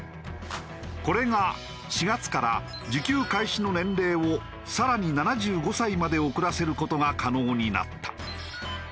これが４月から受給開始の年齢を更に７５歳まで遅らせる事が可能になった。